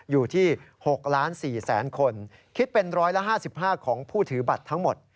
อยู่ที่๖๔๐๐๐คนคิดเป็นร้อยละ๕๕ของผู้ถือบัตรทั้งหมด